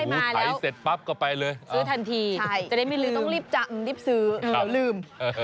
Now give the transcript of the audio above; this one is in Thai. ไถเสร็จปั๊บก็ไปเลยซื้อทันทีจะได้ไม่ลืมต้องรีบจำรีบซื้อเขาลืม